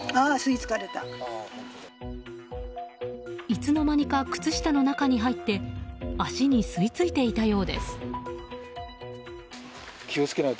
いつの間にか靴下の中に入って足に吸い付いていたようです。